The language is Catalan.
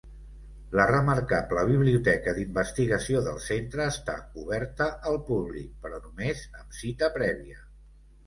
La remarcable biblioteca d'investigació del centre està oberta al públic, però només amb cita prèvia.